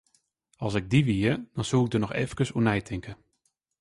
As ik dy wie, dan soe ik der noch efkes oer neitinke.